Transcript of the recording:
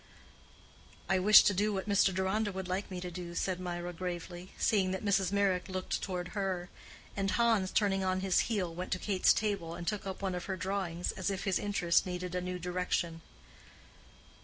"I wish to do what Mr. Deronda would like me to do," said Mirah, gravely, seeing that Mrs. Meyrick looked toward her; and Hans, turning on his heel, went to Kate's table and took up one of her drawings as if his interest needed a new direction.